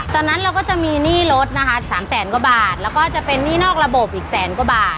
ตอนนั้นเราก็จะมีหนี้รถนะคะ๓แสนกว่าบาทแล้วก็จะเป็นหนี้นอกระบบอีกแสนกว่าบาท